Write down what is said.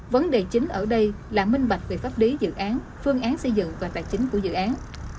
vấn đề chính ở đây là minh bạch về pháp lý dự án phương án xây dựng và tài chính của dự án